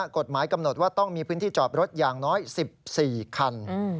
กฎหมายกำหนดว่าต้องมีพื้นที่จอดรถอย่างน้อย๑๔คัน